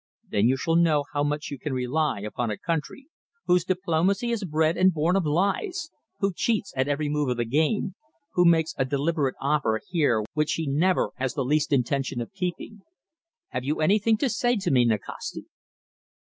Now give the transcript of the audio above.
Then you shall know how much you can rely upon a country whose diplomacy is bred and born of lies, who cheats at every move of the game, who makes you a deliberate offer here which she never has the least intention of keeping. Have you anything to say to me, Nikasti?"